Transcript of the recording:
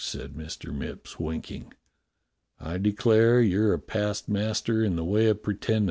f^" said Mr. Mipps, winking. "I declare you're a past master in the way of pretendin'.